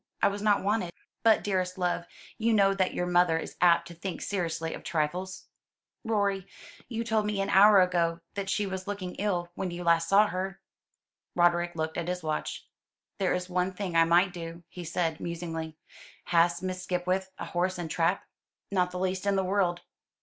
I was not wanted." "But, dearest love, you know that your mother is apt to think seriously of trifles." "Rorie, you told me an hour ago that she was looking ill when last you saw her." Roderick looked at his watch. "There is one thing I might do," he said, musingly. "Has Miss Skipwith a horse and trap?" "Not the least in the world."